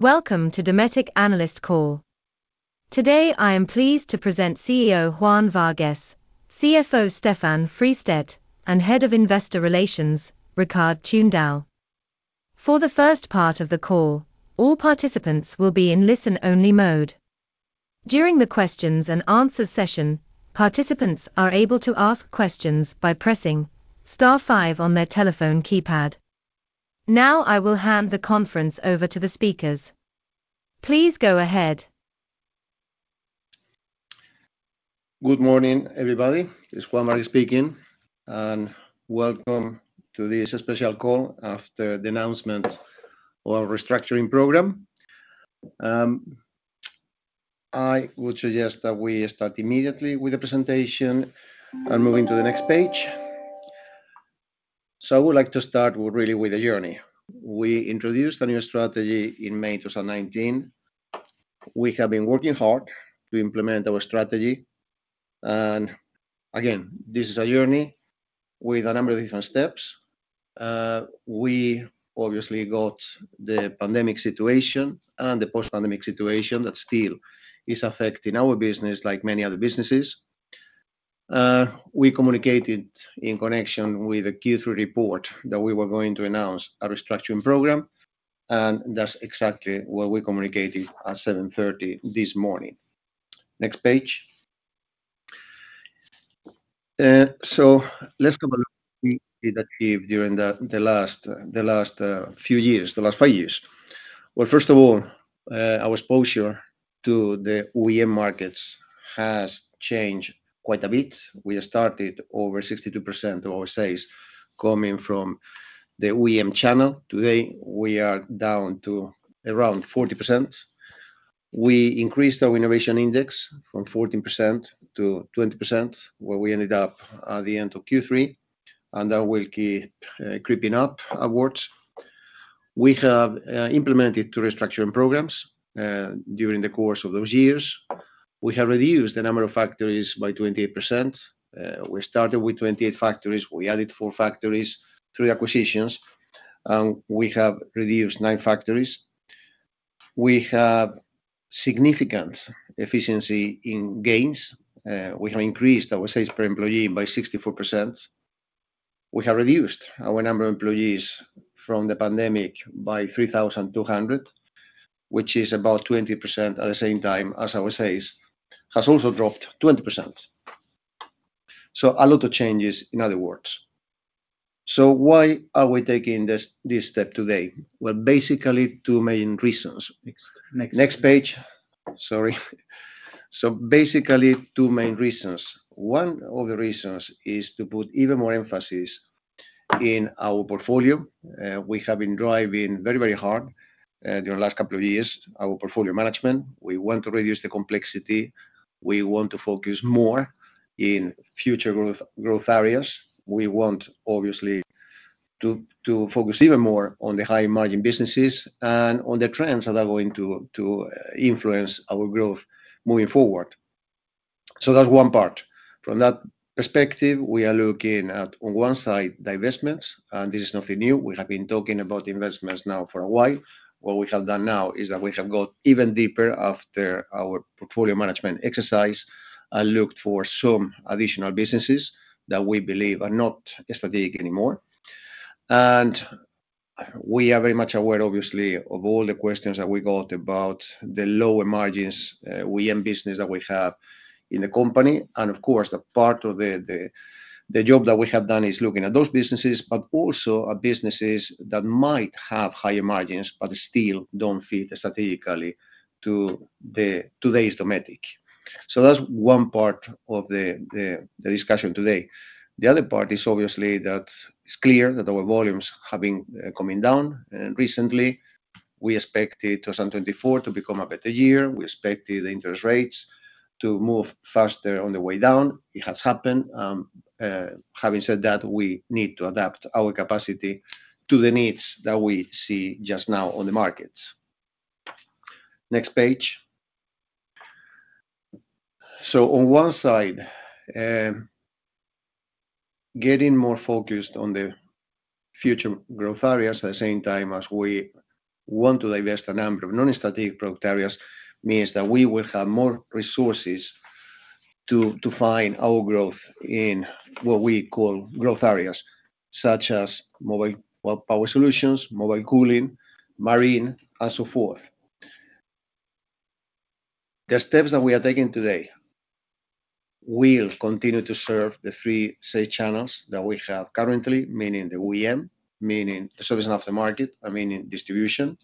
Welcome to Dometic Analyst Call. Today I am pleased to present CEO Juan Vargues, CFO Stefan Fristedt, and Head of Investor Relations, Rikard Tunedal. For the first part of the call, all participants will be in listen-only mode. During the questions and answers session, participants are able to ask questions by pressing *5 on their telephone keypad. Now I will hand the conference over to the speakers. Please go ahead. Good morning, everybody. It's Juan Vargues speaking, and welcome to this special call after the announcement of our restructuring program. I would suggest that we start immediately with the presentation and move into the next page. So I would like to start really with the journey. We introduced a new strategy in May 2019. We have been working hard to implement our strategy. And again, this is a journey with a number of different steps. We obviously got the pandemic situation and the post-pandemic situation that still is affecting our business like many other businesses. We communicated in connection with the Q3 report that we were going to announce our restructuring program, and that's exactly what we communicated at 7:30 A.M. Next page. So let's talk about what we achieved during the last few years, the last five years. First of all, our exposure to the OEM markets has changed quite a bit. We started over 62% of our sales coming from the OEM channel. Today, we are down to around 40%. We increased our innovation index from 14% to 20%, where we ended up at the end of Q3, and that will keep creeping up upwards. We have implemented two restructuring programs during the course of those years. We have reduced the number of factories by 28%. We started with 28 factories. We added four factories, three acquisitions, and we have reduced nine factories. We have significant efficiency gains. We have increased our sales per employee by 64%. We have reduced our number of employees from the pandemic by 3,200, which is about 20% at the same time as our sales has also dropped 20%. A lot of changes, in other words. So why are we taking this step today? Well, basically, two main reasons. One of the reasons is to put even more emphasis in our portfolio. We have been driving very, very hard during the last couple of years our portfolio management. We want to reduce the complexity. We want to focus more in future growth areas. We want, obviously, to focus even more on the high-margin businesses and on the trends that are going to influence our growth moving forward. So that's one part. From that perspective, we are looking at, on one side, the investments, and this is nothing new. We have been talking about investments now for a while. What we have done now is that we have got even deeper after our portfolio management exercise and looked for some additional businesses that we believe are not strategic anymore. We are very much aware, obviously, of all the questions that we got about the lower margins OEM business that we have in the company. Of course, part of the job that we have done is looking at those businesses, but also at businesses that might have higher margins but still don't fit strategically to today's Dometic. That's one part of the discussion today. The other part is, obviously, that it's clear that our volumes have been coming down recently. We expected 2024 to become a better year. We expected the interest rates to move faster on the way down. It has happened. Having said that, we need to adapt our capacity to the needs that we see just now on the markets. Next page. So on one side, getting more focused on the future growth areas at the same time as we want to divest a number of non-strategic product areas means that we will have more resources to find our growth in what we call growth areas, such as Mobile Power Solutions, Mobile Cooling, Marine, and so forth. The steps that we are taking today will continue to serve the three sales channels that we have currently, meaning the OEM, meaning the aftermarket, and meaning distribution,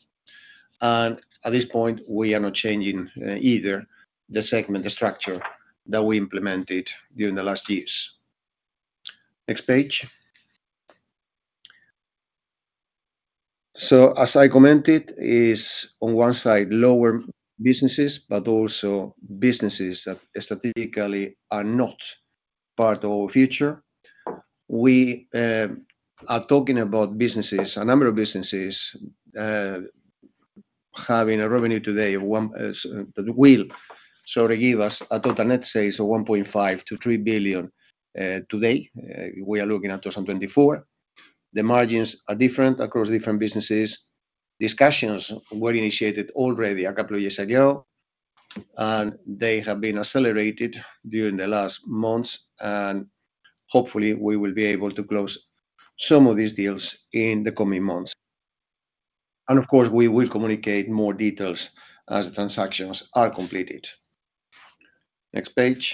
and at this point, we are not changing either the segment, the structure that we implemented during the last years. Next page, so as I commented, on one side, low-growth businesses, but also businesses that strategically are not part of our future. We are talking about businesses, a number of businesses having a revenue today that will, sorry, give us a total net sales of 1.5 billion-3 billion today. We are looking at 2024. The margins are different across different businesses. Discussions were initiated already a couple of years ago, and they have been accelerated during the last months, and hopefully, we will be able to close some of these deals in the coming months, and of course, we will communicate more details as the transactions are completed. Next page,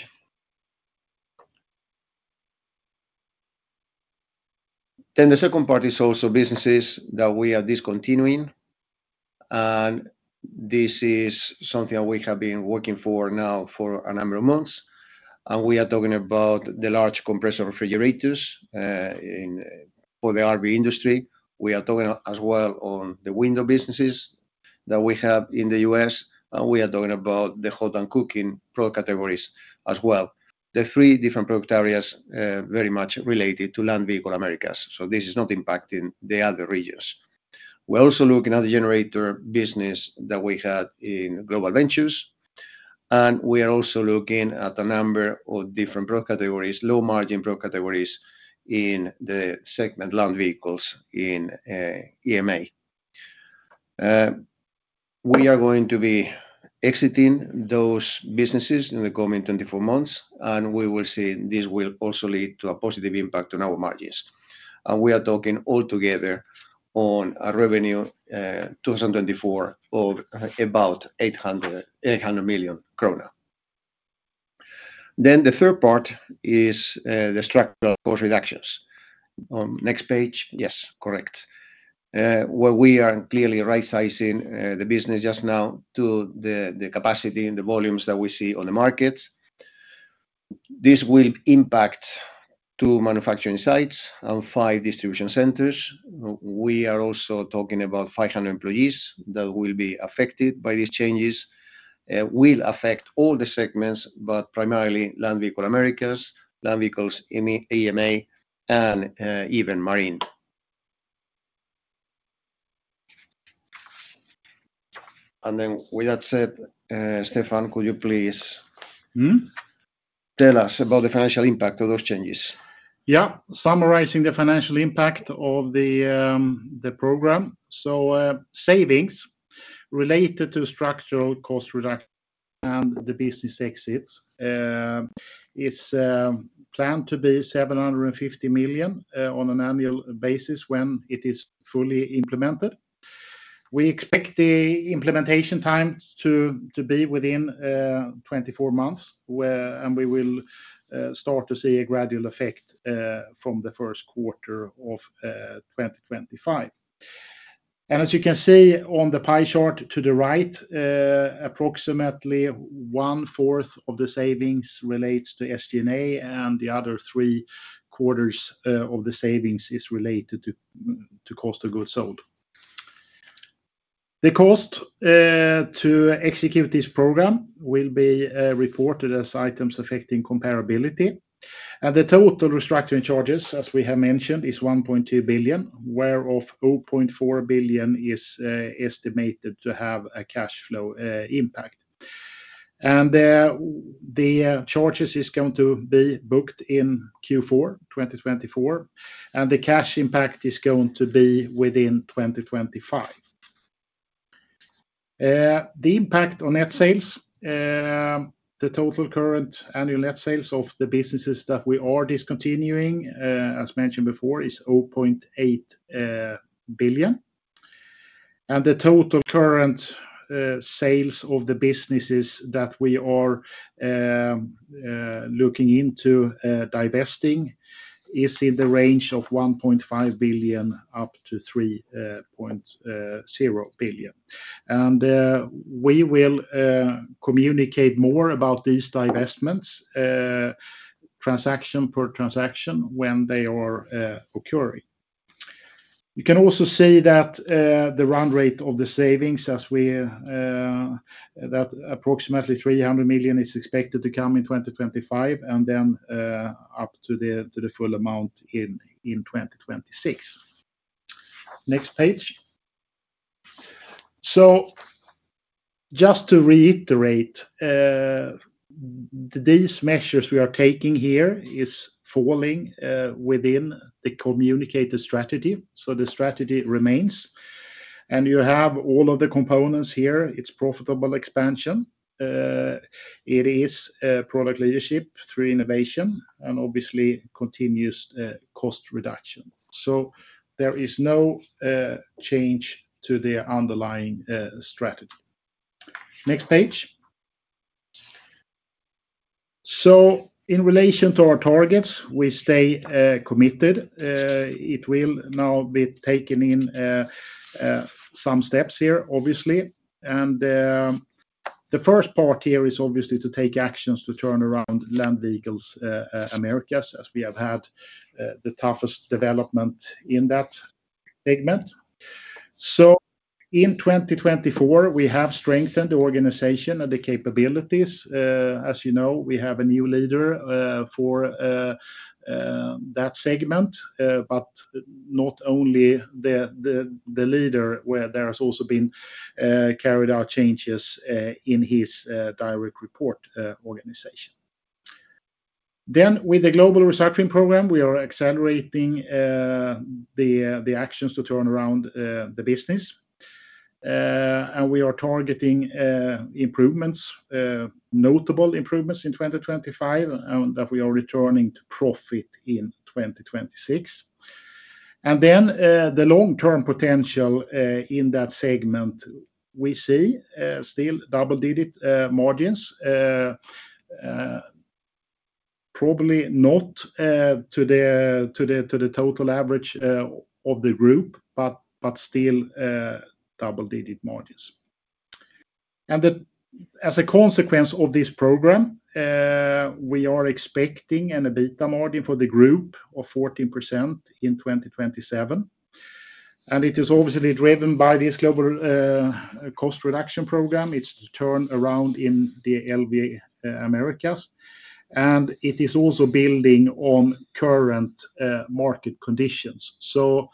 then the second part is also businesses that we are discontinuing, and this is something we have been working for now for a number of months, and we are talking about the large compressor refrigerators for the RV industry. We are talking as well on the window businesses that we have in the U.S. We are talking about the hot and cooking product categories as well. The three different product areas are very much related to Land Vehicles Americas. So this is not impacting the other regions. We're also looking at the generator business that we had in Global Ventures. We are also looking at a number of different product categories, low-margin product categories in the segment Land Vehicles in EMEA. We are going to be exiting those businesses in the coming 24 months, and we will see this will also lead to a positive impact on our margins. We are talking altogether on a revenue 2024 of about 800 million krona. The third part is the structural cost reductions. Next page. Yes, correct. We are clearly right-sizing the business just now to the capacity and the volumes that we see on the market. This will impact two manufacturing sites and five distribution centers. We are also talking about 500 employees that will be affected by these changes. It will affect all the segments, but primarily Land Vehicles Americas, Land Vehicles EMEA, and even Marine. And then with that said, Stefan, could you please tell us about the financial impact of those changes? Yeah. Summarizing the financial impact of the program, so savings related to structural cost reduction and the business exits. It's planned to be 750 million on an annual basis when it is fully implemented. We expect the implementation time to be within 24 months, and we will start to see a gradual effect from the first quarter of 2025, and as you can see on the pie chart to the right, approximately one-fourth of the savings relates to SG&A, and the other three quarters of the savings is related to cost of goods sold. The cost to execute this program will be reported as items affecting comparability, and the total restructuring charges, as we have mentioned, is 1.2 billion, whereof 0.4 billion is estimated to have a cash flow impact. The charges are going to be booked in Q4 2024, and the cash impact is going to be within 2025. The impact on net sales, the total current annual net sales of the businesses that we are discontinuing, as mentioned before, is 0.8 billion. The total current sales of the businesses that we are looking into divesting is in the range of 1.5 billion up to 3.0 billion. We will communicate more about these divestments, transaction per transaction, when they are occurring. You can also see that the run rate of the savings, that approximately 300 million is expected to come in 2025, and then up to the full amount in 2026. Next page. Just to reiterate, these measures we are taking here are falling within the communicated strategy. The strategy remains. You have all of the components here. It's profitable expansion. It is product leadership through innovation and obviously continuous cost reduction. So there is no change to the underlying strategy. Next page. So in relation to our targets, we stay committed. It will now be taken in some steps here, obviously. And the first part here is obviously to take actions to turn around Land Vehicles Americas as we have had the toughest development in that segment. So in 2024, we have strengthened the organization and the capabilities. As you know, we have a new leader for that segment, but not only the leader, where there has also been carried out changes in his direct report organization. Then with the global restructuring program, we are accelerating the actions to turn around the business. And we are targeting improvements, notable improvements in 2025, and that we are returning to profit in 2026. And then the long-term potential in that segment, we see still double-digit margins, probably not to the total average of the group, but still double-digit margins. And as a consequence of this program, we are expecting an EBITDA margin for the group of 14% in 2027. And it is obviously driven by this global cost reduction program. It's to turn around in the LV Americas. And it is also building on current market conditions. So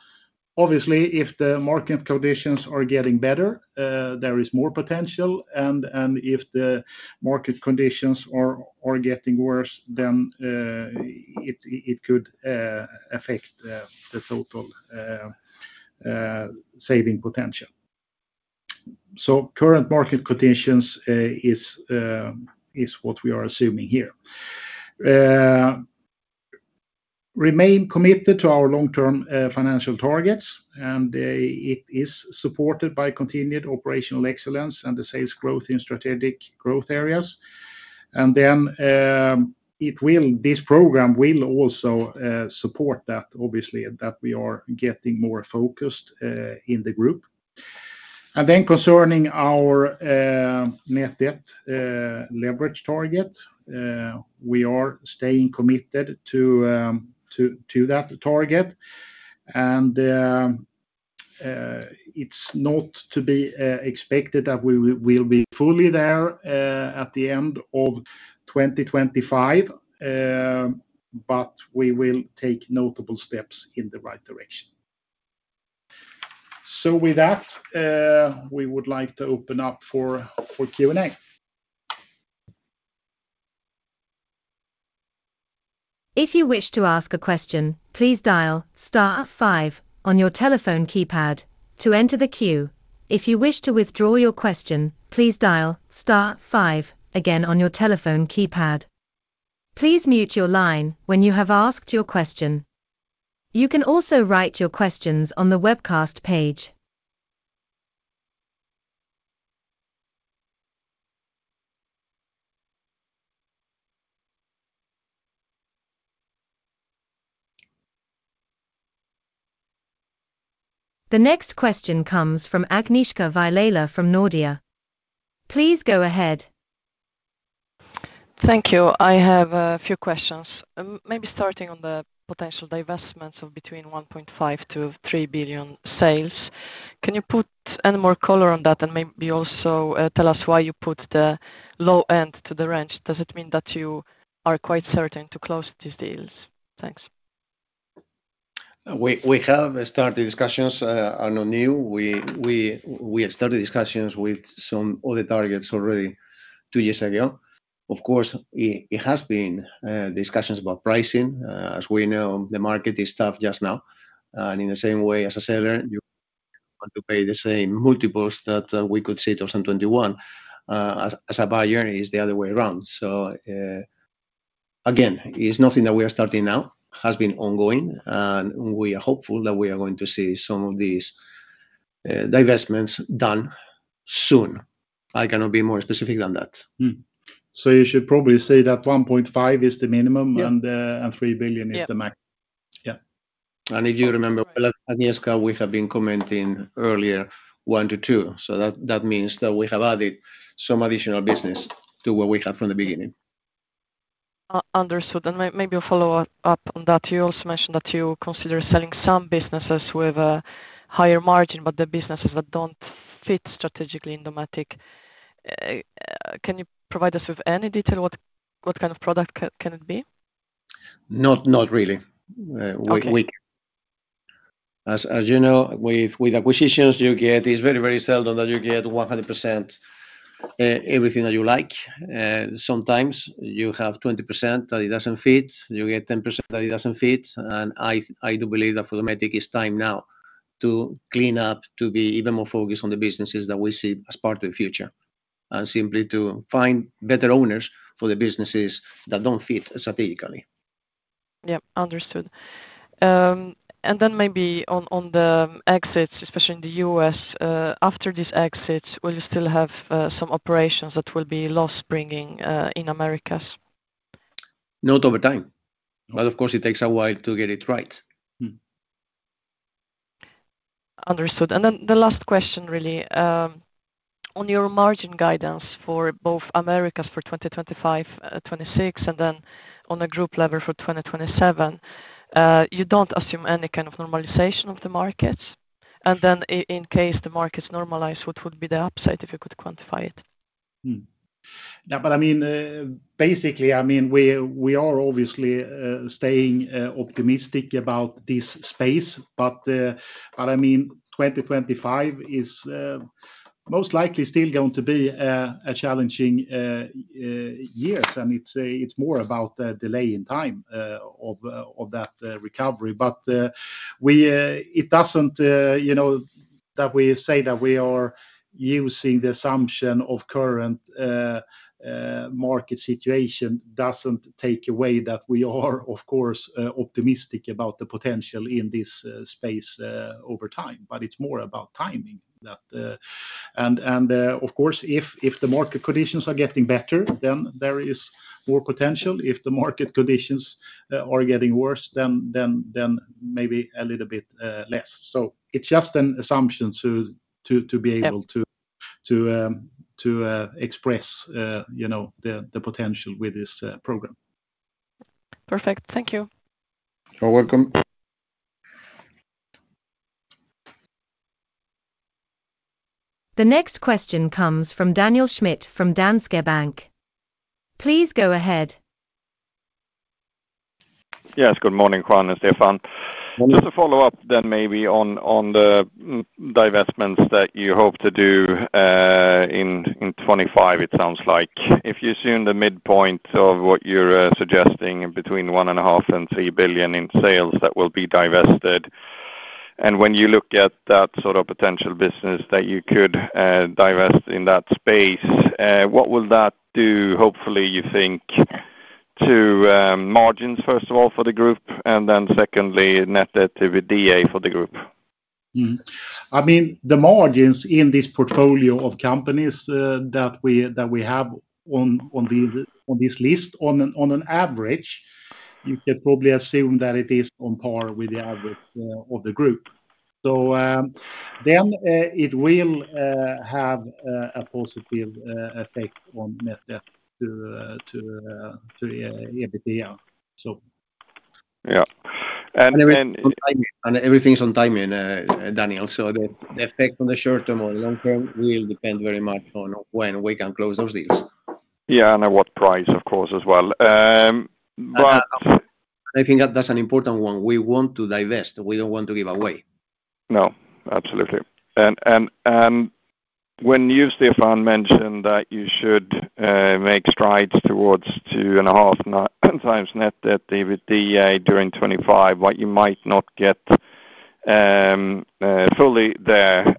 obviously, if the market conditions are getting better, there is more potential. And if the market conditions are getting worse, then it could affect the total saving potential. So current market conditions is what we are assuming here. Remain committed to our long-term financial targets, and it is supported by continued operational excellence and the sales growth in strategic growth areas. And then this program will also support that, obviously, that we are getting more focused in the group. And then concerning our net debt leverage target, we are staying committed to that target. And it's not to be expected that we will be fully there at the end of 2025, but we will take notable steps in the right direction. So with that, we would like to open up for Q&A. If you wish to ask a question, please dial star 5 on your telephone keypad to enter the queue. If you wish to withdraw your question, please dial star 5 again on your telephone keypad. Please mute your line when you have asked your question. You can also write your questions on the webcast page. The next question comes from Agnieszka Vilela from Nordea. Please go ahead. Thank you. I have a few questions. Maybe starting on the potential divestments of between 1.5 billion to 3 billion sales. Can you put any more color on that and maybe also tell us why you put the low end to the range? Does it mean that you are quite certain to close these deals? Thanks. We have started discussions with some other targets already two years ago. Of course, it has been discussions about pricing. As we know, the market is tough just now. And in the same way, as a seller, you want to pay the same multiples that we could see in 2021. As a buyer, it's the other way around. So again, it's nothing that we are starting now. It has been ongoing. And we are hopeful that we are going to see some of these divestments done soon. I cannot be more specific than that. So you should probably say that 1.5 billion is the minimum and 3 billion is the maximum. Yeah. And if you remember, Agnieszka, we have been commenting earlier one to two. So that means that we have added some additional business to what we had from the beginning. Understood. And maybe a follow-up on that. You also mentioned that you consider selling some businesses with a higher margin, but the businesses that don't fit strategically in Dometic. Can you provide us with any detail? What kind of product can it be? Not really. As you know, with acquisitions, you get, it's very, very seldom that you get 100% everything that you like. Sometimes you have 20% that it doesn't fit. You get 10% that it doesn't fit. And I do believe that for Dometic, it's time now to clean up, to be even more focused on the businesses that we see as part of the future, and simply to find better owners for the businesses that don't fit strategically. Yeah. Understood. And then maybe on the exits, especially in the U.S., after these exits, will you still have some operations that will be lost bringing in Americas? Not over time. But of course, it takes a while to get it right. Understood. And then the last question, really. On your margin guidance for both Americas for 2025-26 and then on a group level for 2027, you don't assume any kind of normalization of the markets. And then in case the markets normalize, what would be the upside if you could quantify it? Yeah, but I mean, basically, I mean, we are obviously staying optimistic about this space, but I mean, 2025 is most likely still going to be a challenging year, and it's more about the delay in time of that recovery. But it doesn't that we say that we are using the assumption of current market situation doesn't take away that we are, of course, optimistic about the potential in this space over time, but it's more about timing, and of course, if the market conditions are getting better, then there is more potential. If the market conditions are getting worse, then maybe a little bit less, so it's just an assumption to be able to express the potential with this program. Perfect. Thank you. You're welcome. The next question comes from Daniel Schmidt from Danske Bank. Please go ahead. Yes. Good morning, Juan and Stefan. Just to follow up then maybe on the divestments that you hope to do in 2025, it sounds like. If you assume the midpoint of what you're suggesting between 1.5 billion and 3 billion in sales that will be divested, and when you look at that sort of potential business that you could divest in that space, what will that do, hopefully, you think, to margins, first of all, for the group, and then secondly, leverage for the group? I mean, the margins in this portfolio of companies that we have on this list, on an average, you can probably assume that it is on par with the average of the group. So then it will have a positive effect on net debt to EBITDA. So. Yeah. And. Everything's on timing, Daniel. So the effect on the short term or the long term will depend very much on when we can close those deals. Yeah. And at what price, of course, as well. But. I think that's an important one. We want to divest. We don't want to give away. No. Absolutely, and when you, Stefan, mentioned that you should make strides towards 2.5 times net debt EBITDA during 2025, but you might not get fully there,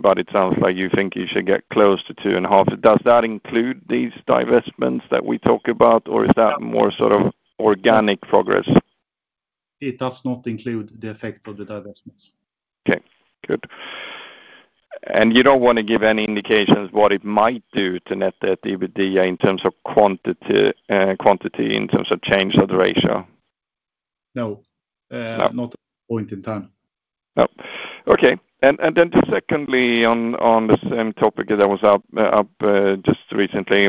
but it sounds like you think you should get close to 2.5. Does that include these divestments that we talk about, or is that more sort of organic progress? It does not include the effect of the divestments. Okay. Good, and you don't want to give any indications what it might do to net debt EBITDA in terms of quantity, in terms of change of the ratio? No. Not at this point in time. No. Okay. And then, secondly, on the same topic that was up just recently,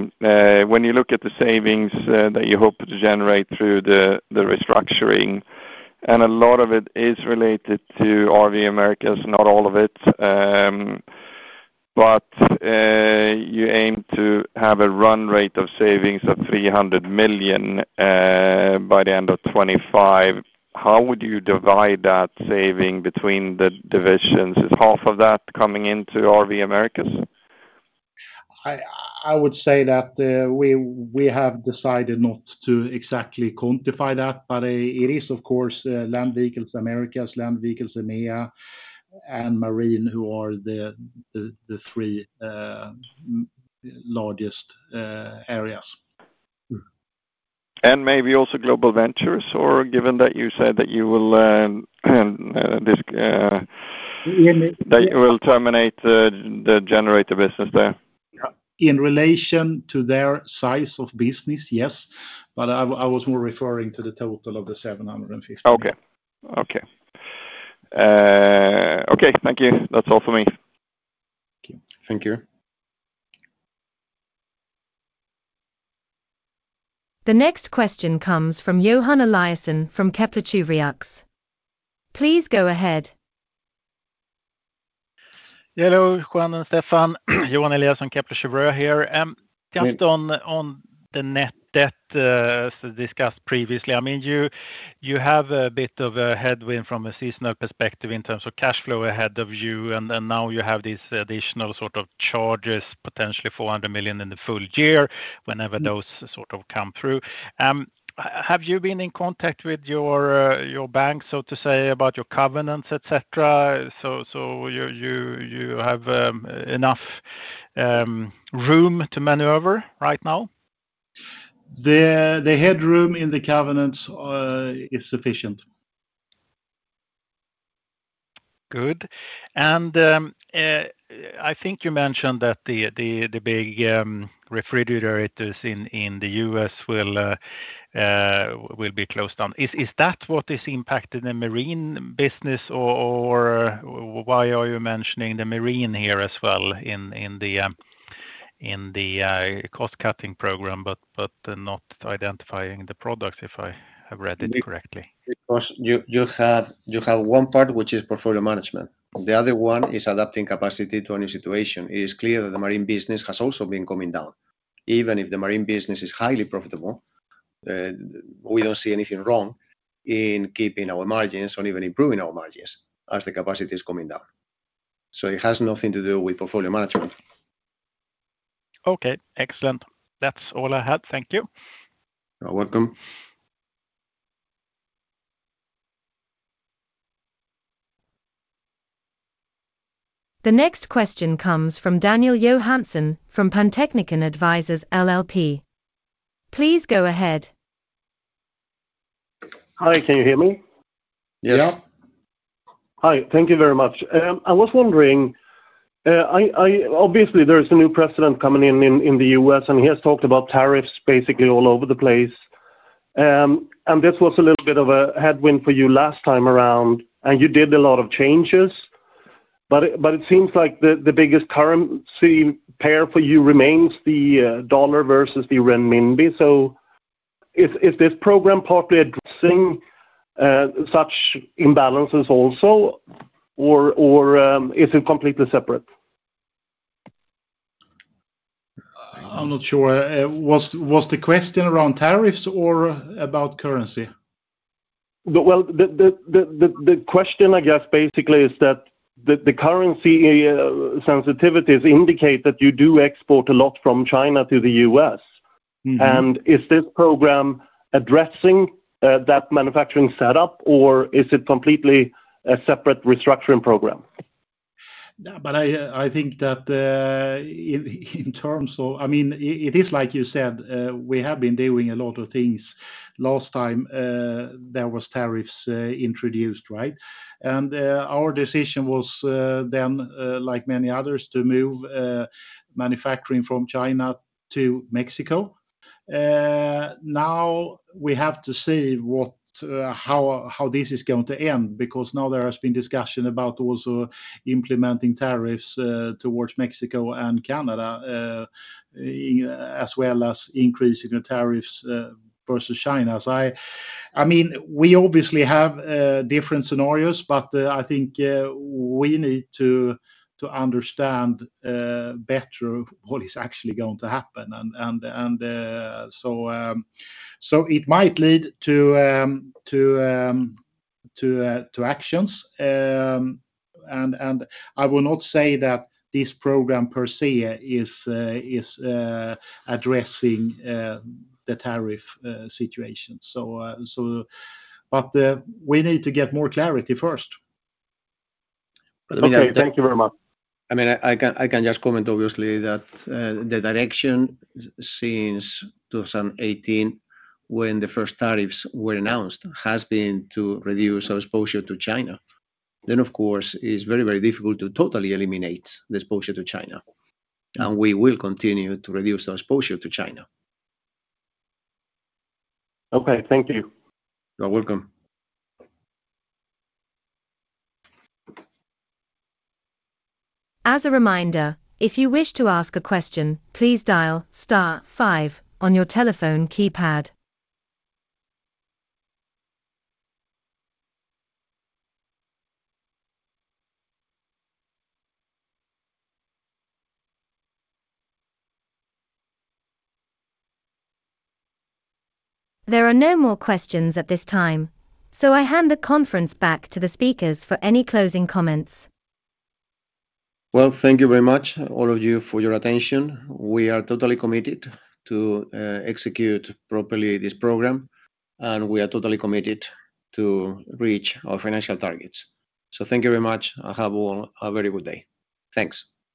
when you look at the savings that you hope to generate through the restructuring, and a lot of it is related to RV Americas, not all of it, but you aim to have a run rate of savings of 300 million by the end of 2025, how would you divide that saving between the divisions? Is half of that coming into RV Americas? I would say that we have decided not to exactly quantify that, but it is, of course, Land Vehicles Americas, Land Vehicles EMEA, and Marine, who are the three largest areas. Maybe also Global Ventures, or given that you said that you will terminate the generator business there? In relation to their size of business, yes. But I was more referring to the total of the 750. Okay. Thank you. That's all for me. Thank you. Thank you. The next question comes from Johan Eliasson from Kepler Cheuvreux. Please go ahead. Hello, Juan and Stefan. Johan Eliasson, Kepler Cheuvreux here. Just on the net debt discussed previously, I mean, you have a bit of a headwind from a seasonal perspective in terms of cash flow ahead of you, and now you have these additional sort of charges, potentially 400 million in the full year whenever those sort of come through. Have you been in contact with your bank, so to say, about your covenants, etc.? So you have enough room to maneuver right now? The headroom in the covenants is sufficient. Good. And I think you mentioned that the big refrigerators in the U.S. will be closed down. Is that what is impacting the Marine business, or why are you mentioning the Marine here as well in the cost-cutting program, but not identifying the products, if I have read it correctly? Because you have one part, which is portfolio management. The other one is adapting capacity to a new situation. It is clear that the Marine business has also been coming down. Even if the marine business is highly profitable, we don't see anything wrong in keeping our margins or even improving our margins as the capacity is coming down. So it has nothing to do with portfolio management. Okay. Excellent. That's all I had. Thank you. You're welcome. The next question comes from Daniel Johansson from Pantechnicon Advisors LLP. Please go ahead. Hi. Can you hear me? Yes. Yeah. Hi. Thank you very much. I was wondering, obviously, there's a new president coming in in the U.S., and he has talked about tariffs basically all over the place. And this was a little bit of a headwind for you last time around, and you did a lot of changes. But it seems like the biggest currency pair for you remains the dollar versus the renminbi. So is this program partly addressing such imbalances also, or is it completely separate? I'm not sure. Was the question around tariffs or about currency? The question, I guess, basically is that the currency sensitivities indicate that you do export a lot from China to the US. Is this program addressing that manufacturing setup, or is it completely a separate restructuring program? But I think that in terms of, I mean, it is like you said. We have been doing a lot of things. Last time, there were tariffs introduced, right? And our decision was then, like many others, to move manufacturing from China to Mexico. Now we have to see how this is going to end because now there has been discussion about also implementing tariffs towards Mexico and Canada, as well as increasing the tariffs versus China. I mean, we obviously have different scenarios, but I think we need to understand better what is actually going to happen. And so it might lead to actions. And I will not say that this program per se is addressing the tariff situation. But we need to get more clarity first. But I mean, thank you very much. I mean, I can just comment, obviously, that the direction since 2018, when the first tariffs were announced, has been to reduce our exposure to China, then, of course, it's very, very difficult to totally eliminate the exposure to China, and we will continue to reduce our exposure to China. Okay. Thank you. You're welcome. As a reminder, if you wish to ask a question, please dial star 5 on your telephone keypad. There are no more questions at this time, so I hand the conference back to the speakers for any closing comments. Thank you very much, all of you, for your attention. We are totally committed to execute properly this program, and we are totally committed to reach our financial targets. Thank you very much. Have a very good day. Thanks.